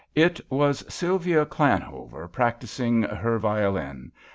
It was Sylvia Llanover practising her violin.